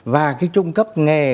và cái trung cấp nghề